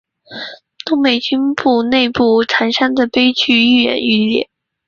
东北军内部残杀的悲剧愈演愈烈。